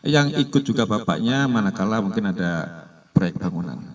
yang ikut juga bapaknya manakala mungkin ada proyek bangunan